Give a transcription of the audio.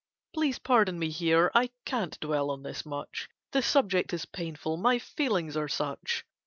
Please pardon me here I can't dwell on this much, The subject is painful my feelings are such.